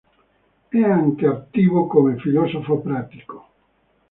È anche attivo come filosofo pratico.